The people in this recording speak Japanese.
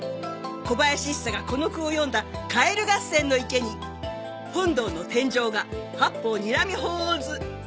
小林一茶がこの句を詠んだ蛙合戦の池に本堂の天井画『八方睨み鳳凰図』。